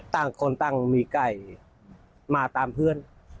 ตั้งคนตั้งมีกายมาตามเพื่อน